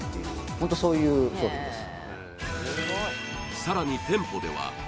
ホントそういう商品です